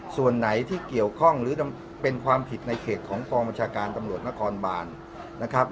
ส่วนไหนที่เกี่ยวข้องหรือเป็นความผิดในเขตของกองบัญชาการตำรวจนครบานนะครับ